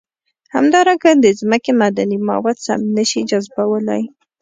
همدارنګه د ځمکې معدني مواد سم نه شي جذبولی.